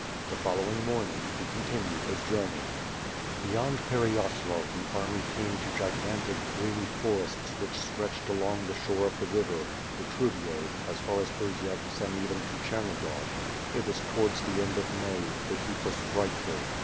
The following morning he continued his journey. Beyond Pereyaslav the army came to gigantic, gloomy forests whicfh stretched along the shore of the river, the Trubiej, as far as Kozielts and even to Chernigov. It was towards the end of May. The heat was frightful.